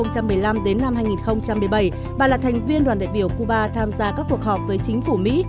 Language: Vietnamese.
từ năm hai nghìn một mươi năm đến năm hai nghìn một mươi bảy bà là thành viên đoàn đại biểu cuba tham gia các cuộc họp với chính phủ mỹ